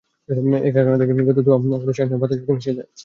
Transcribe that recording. এই কারখানা থেকে নির্গত ধোঁয়া আমাদের শ্বাস নেয়া বাতাসের সাথে মিশে যায়।